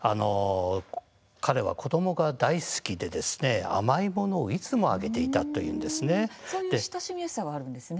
彼は子どもが大好きで甘いものをいつもあげていたというんですね。